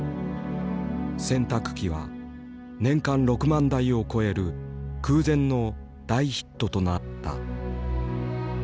洗濯機は年間６万台を超える空前の大ヒットとなった。